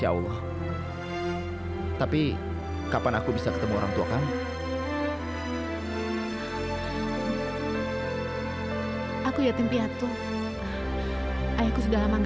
walaupun dia itu seorang perampok